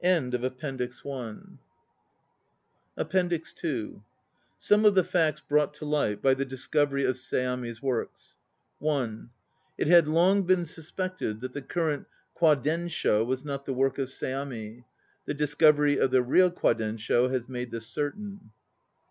" APPENDIX II SOME of the facts brought to light by the discovery of Seami's Works: (1) It had long been suspected that the current Kwadensho was not the work of Seami. The discovery of the real Kwadensho has made this certain.